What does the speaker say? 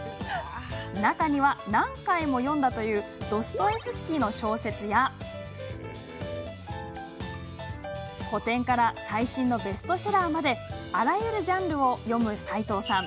中には、何回も読んだというドストエフスキーの小説や古典から最新のベストセラーまであらゆるジャンルを読む齋藤さん。